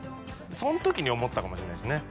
その時に思ったかもしれないですね